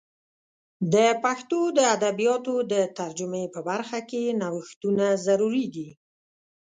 د پښتو د ادبیاتو د ترجمې په برخه کې نوښتونه ضروري دي.